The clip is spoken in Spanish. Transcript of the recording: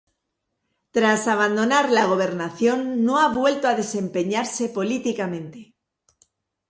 Tras abandonar la gobernación, no ha vuelto a desempeñarse políticamente.